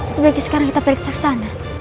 sebaiknya sekarang kita pergi ke sana